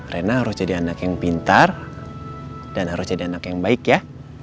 rena harus jadi anak yang pintar dan harus jadi anak yang baik ya